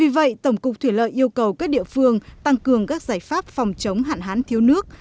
vì vậy tổng cục thủy lợi yêu cầu các địa phương tăng cường các giải pháp phòng chống hạn hán thiếu nước